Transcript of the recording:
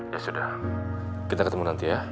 ya sudah kita ketemu nanti ya